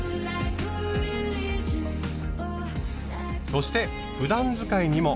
そしてふだん使いにも。